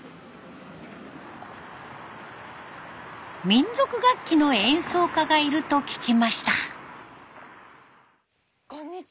民族楽器の演奏家がいると聞きました。